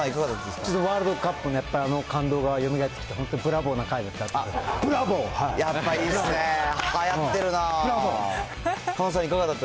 ちょっとワールドカップね、あの感動がよみがえってきて、本当にブラボーな回だった。